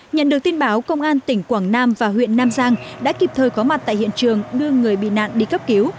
nhận được tin báo công an tỉnh quảng nam và huyện nam giang đã kịp thời có mặt tại hiện trường đưa người bị nạn đi cấp cứu